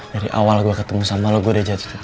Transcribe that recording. dari awal gue ketemu sama lo gue udah jatuh